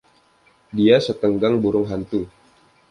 Dia setegang burung hantu.